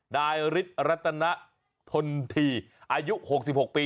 ไดริตรัตนาทนทีอายุ๖๖ปี